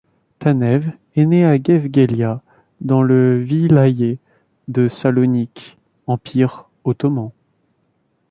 Tanev est né à Guevgueliya, dans le vilayet de Salonique, empire ottoman.